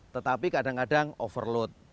tetapi kadang kadang overload